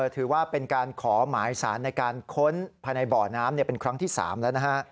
ถือว่าเป็นการขอหมายสารในการค้นภายในบ่อน้ำเป็นครั้งที่๓แล้วนะฮะ